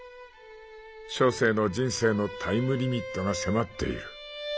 小生の人生のタイムリミットが迫っている。